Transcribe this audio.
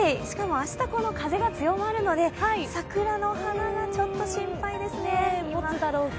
しかも、明日風が強まるので桜の花がちょっと心配ですね。